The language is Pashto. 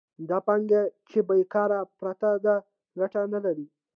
دغه پانګه چې بېکاره پرته ده ګټه نلري